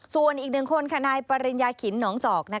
ส่วนอีกหนึ่งคนค่ะนายปริญญาขินหนองจอก